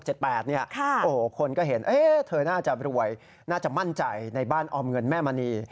โอ้โหคนก็เห็นเธอน่าจะรวยน่าจะมั่นใจในบ้านออมเงินแม่มณี